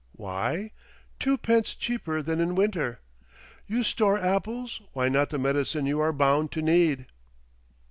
WHY? Twopence Cheaper than in Winter. You Store Apples! why not the Medicine You are Bound to Need?